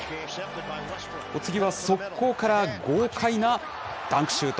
お次は速攻から豪快なダンクシュート。